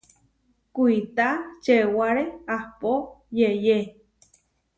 Kuitá čewaré ahpó yeʼyé.